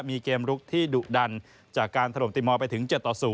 มีเกมลุกที่ดุดันจากการถล่มติมอลไปถึง๗ต่อ๐